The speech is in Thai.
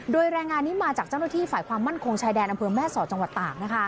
โดยแรงงานนี้มาจากเจ้าหน้าที่ฝ่ายความมั่นคงชายแดนอำเภอแม่สอดจังหวัดตาก